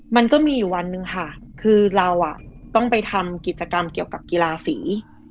มันก็มีอยู่วันหนึ่งค่ะคือเราต้องไปทำกิจกรรมเกี่ยวกับกีฬาสี